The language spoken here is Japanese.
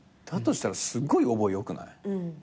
したらすごい覚え良くない？